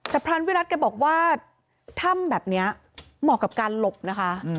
แต่พรานวิรัติแกบอกว่าถ้ำแบบนี้เหมาะกับการหลบนะคะ